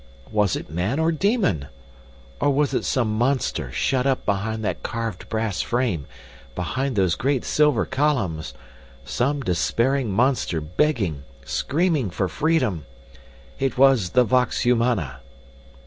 Was it man or demon? Or was it some monster shut up behind that carved brass frame, behind those great silver columns some despairing monster begging, screaming for freedom! it was the vox humana!